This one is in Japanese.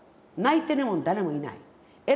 えらばってるもん誰もいない。